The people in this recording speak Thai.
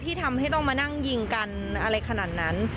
ที่ทำให้ต้องมานั่งยิงกันอะไรขนาดนั้น